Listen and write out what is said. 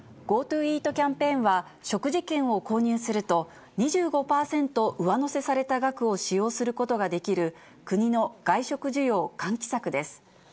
ＧｏＴｏＥａｔキャンペーンは、食事券を購入すると、２５％上乗せされた額を使用することができる、国の外食需要喚起策です。